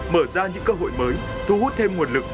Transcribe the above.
mở ra những cơ hội mới thu hút thêm nguồn lực